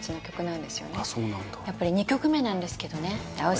やっぱり２曲目なんですけどね